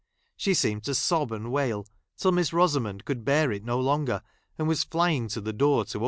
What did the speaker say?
She seemed to sob i! and wail, till Miss Eosamond could bear it I no longer, and was flying to the door to